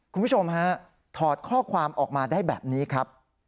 คุณผู้ชมฮะถอดข้อความออกมาได้แบบนี้ครับ